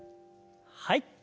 はい。